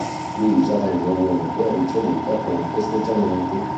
Luisa venne ovunque ricevuta con festeggiamenti.